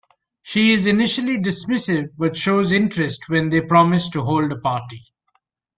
She is initially dismissive, but shows interest when they promise to hold a party.